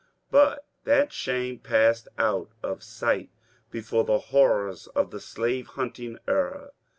But that shame passed out of sight before the horrors of the slave hunting era.